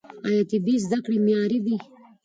آیا طبي زده کړې معیاري دي؟